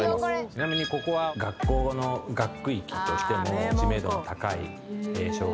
ちなみにここは学校の学区域としても知名度の高い小学校とかございまして。